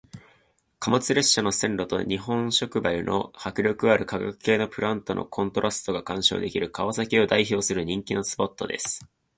貨物列車の線路と日本触媒の迫力ある化学系のプラントのコントラストが鑑賞できる川崎を代表する人気のスポットです。